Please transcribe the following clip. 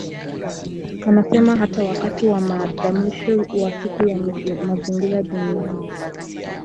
Anasema hata wakati wa maadhimisho wa Siku ya Mazingira Duniani